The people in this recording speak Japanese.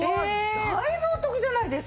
だいぶお得じゃないですか。